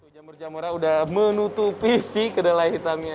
jamur jamurnya udah menutupi sih kedalai hitamnya